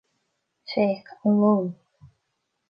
Féach an leon!